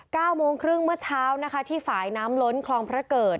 เก้าโมงครึ่งเมื่อเช้านะคะที่ฝ่ายน้ำล้นคลองพระเกิด